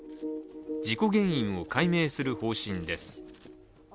事故原因を解明する方針です。